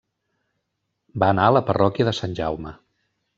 Va anar a la parròquia de Sant Jaume.